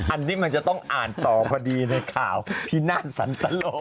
อันนี้มันจะต้องอ่านต่อพอดีในข่าวพินาศสันตะโล